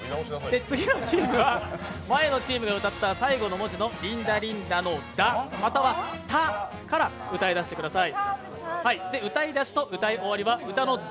次のチームは前のチームが歌った最後の文字のリンダリンダの「ダ」、または「タ」から歌い出してください。